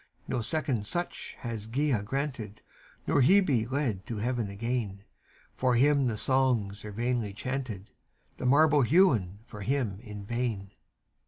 No second such hath Gaea granted, Or Hebe led to Heaven again; For him the songs are vainly chanted, The marble hewn for him in vain.